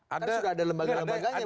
kan sudah ada lembaga lembaganya bang haris